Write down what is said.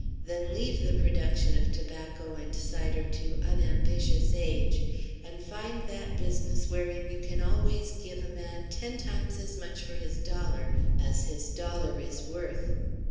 Then leave the production of tobacco and cider to unambitious age, and find that business wherein you can always give a man ten times as much for his dollar as his dollar is worth.'